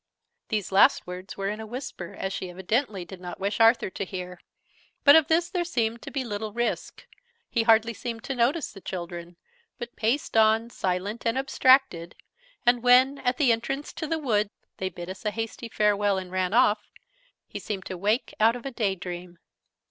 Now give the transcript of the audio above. These last words were in a whisper, as she evidently did not wish Arthur to hear. But of this there seemed to be little risk: he hardly seemed to notice the children, but paced on, silent and abstracted; and when, at the entrance to the wood, they bid us a hasty farewell and ran off, he seemed to wake out of a day dream.